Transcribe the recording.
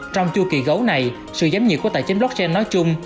trong chu kỳ gấu này sự giám nhiệt của tài chính blockchain nói chung